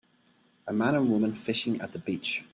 A man and woman fishing at the beach.